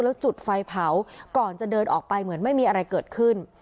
แล้วจุดไฟเผาก่อนจะเดินออกไปเหมือนไม่มีอะไรเกิดขึ้น